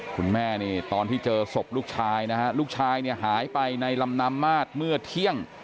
คุณแม่นี่ตอนที่เจอศพลูกชายนะฮะลูกชายเนี่ยหายไปในลำน้ำมาดเมื่อเที่ยง